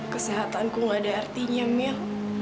kesehatanku gak ada artinya mel